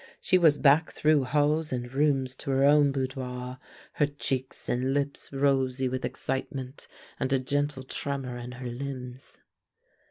She was back through halls and rooms to her own boudoir, her cheeks and lips rosy with excitement, and a gentle tremor in her limbs.